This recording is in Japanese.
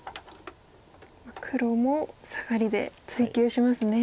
黒もサガリで追及しますね。